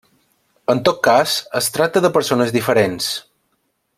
En tot cas, es tracta de persones diferents.